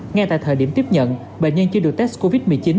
ngay tại thời điểm tiếp nhận bệnh nhân chưa được test covid một mươi chín